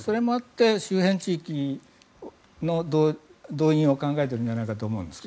周辺地域の動員を考えているんじゃないかと思います。